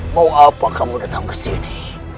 mau apa kamu datang kesini